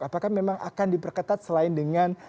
apakah memang akan diperketat selain dengan